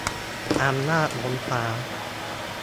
อำนาจล้นฟ้า